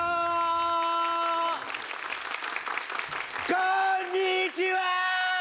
こんにちは！！